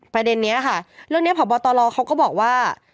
ประเด็นนี้ค่ะเรื่องนี้พบตลเขาก็บอกว่า